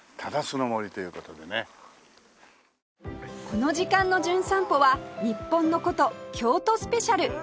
この時間の『じゅん散歩』は日本の古都京都スペシャル